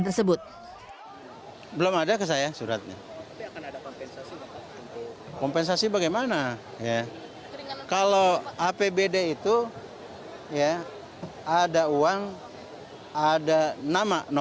tersebut belum ada kesayang suratnya kompensasi bagaimana ya kalau apbd itu ya ada uang ada nama